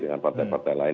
dengan partai partai lain